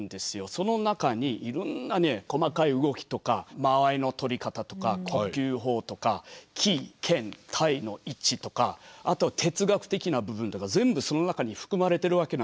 その中にいろんな細かい動きとか間合いのとり方とか呼吸法とかあと哲学的な部分とか全部その中に含まれてるわけなんですよね。